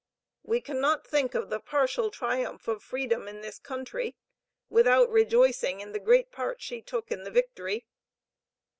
We cannot think of the partial triumph of freedom in this country, without rejoicing in the great part she took in the victory.